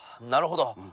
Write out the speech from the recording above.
なるほど。